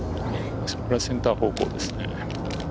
センター方向ですね。